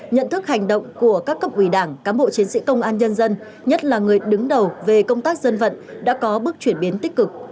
nhận thức hành động của các cấp ủy đảng cám bộ chiến sĩ công an nhân dân nhất là người đứng đầu về công tác dân vận đã có bước chuyển biến tích cực